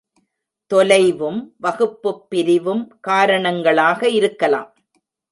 தொலைவும், வகுப்புப் பிரிவும் காரணங்களாக இருக்கலாம்.